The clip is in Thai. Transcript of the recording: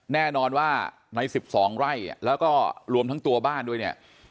แน่นอนว่าใน๑๒ไร่แล้วก็รวมทั้งตัวบ้านด้วยเนี่ย